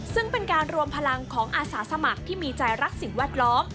ซึ่งเป็นการรวมพลังของอาสาสมัครที่มีใจรักสิ่งแวดล้อม